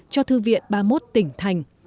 cho thư viện ba mươi một tỉnh thành